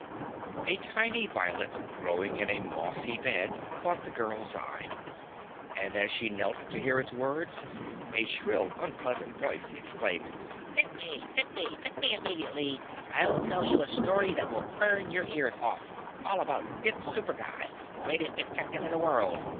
A tiny violet growing in a mossy bed caught the girl's eye, and as she knelt to hear its words, a shrill, unpleasant voice exclaimed, "Pick me! Pick me! Pick me immediately! I'll tell you a story that will burn your ears off! All about Dick Superguy greatest detective in the world!